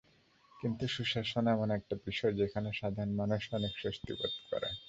কিন্তু সুশাসন এমন একটা বিষয়, যেখানে সাধারণ মানুষ অনেক স্বস্তি বোধ করে।